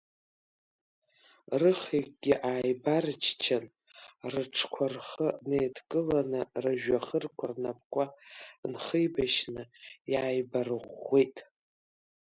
Рыхҩыкгьы ааибарччан, рыҽқәа рхы неидкыланы рыжәҩахырқәа рнапқәа нхибашьны иааибарӷәӷәеит.